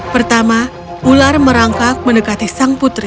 pertama ular merangkak mendekati sang putri